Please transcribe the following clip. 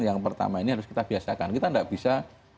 yang pertama ini harus kita biasakan kita tidak bisa